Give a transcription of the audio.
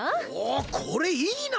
おこれいいな！